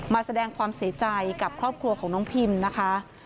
มาแสดงความเสียใจกับครอบครัวของน้องพิมนะคะ